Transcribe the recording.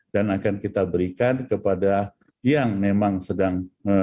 dan akan kita berikan kepada yang memang sedang